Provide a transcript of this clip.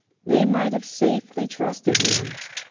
They might have safely trusted him.